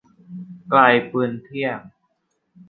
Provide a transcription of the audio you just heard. ไกลปืนเที่ยง